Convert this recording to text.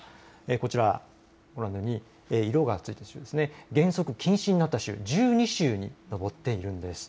こちらご覧のように色がついている州、原則禁止になった州、１２州に上っているんです。